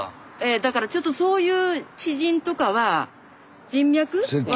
だからちょっとそういう知人とかは人脈は。